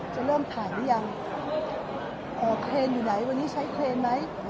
จะเริ่มถ่ายหรือยังเครนอยู่ไหนวันนี้ใช้เครนไหม